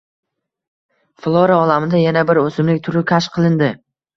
Flora olamida yana bir o‘simlik turi kashf qilinding